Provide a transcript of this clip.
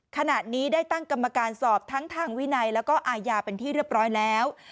ขณะนี้ได้ตั้งกรรมการสอบทั้งทางวินัยแล้วก็อาญาเป็นที่เรียบร้อยแล้ว